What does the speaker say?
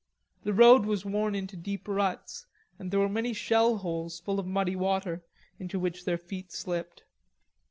The road was worn into deep ruts and there were many shell holes, full of muddy water, into which their feet slipped.